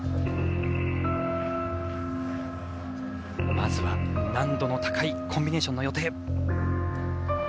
まずは難度の高いコンビネーションの予定。